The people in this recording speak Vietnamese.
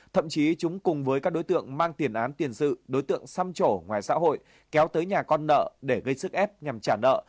thậm chí chúng cùng với các đối tượng mang tiền án tiền sự đối tượng xăm trổ ngoài xã hội kéo tới nhà con nợ để gây sức ép nhằm trả nợ